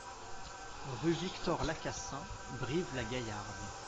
Rue Victor Lacassin, Brive-la-Gaillarde